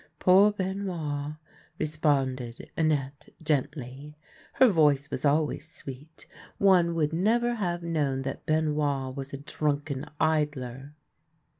" Poor Benoit !" responded Annette gently. Her voice was always sweet. One would never have known that Benoit was a drunken idler.